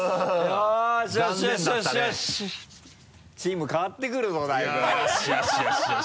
チーム変わってくるぞだいぶ。